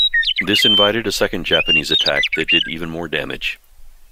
This invited a second Japanese attack that did even more damage.